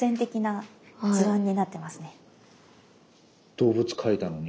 動物描いたのに？